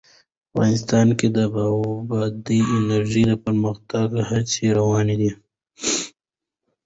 افغانستان کې د بادي انرژي د پرمختګ هڅې روانې دي.